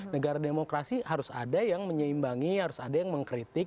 negara demokrasi harus ada yang menyeimbangi harus ada yang mengkritik